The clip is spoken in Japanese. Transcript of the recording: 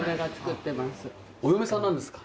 お嫁さんなんですか。